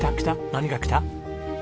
何が来た？